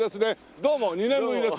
どうも２年ぶりです。